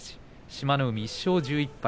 志摩ノ海１勝１１敗